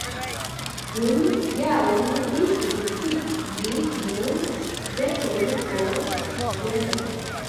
Dum jaroj li publikigis nur verkojn por piano.